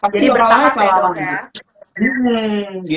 jadi bertahan ya dok ya